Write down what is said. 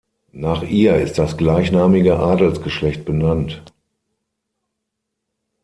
Nach ihr ist das gleichnamige Adelsgeschlecht benannt.